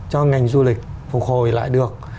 cho ngành du lịch phục hồi lại được